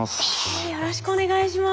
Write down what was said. えよろしくお願いします。